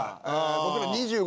僕ら２５年